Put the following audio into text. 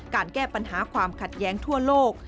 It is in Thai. การแก้ปัญหาความขัดแย้งทั่วโลก